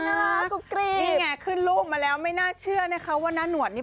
นี่ไงขึ้นลูกมาแล้วไม่น่าเชื่อนะคะว่าน้าหนวดนี่